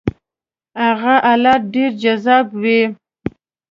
هغه حالت ډېر جذاب وي.